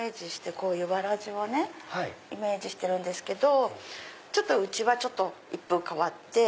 こういうわらじをねイメージしてるんですけどうちは一風変わって。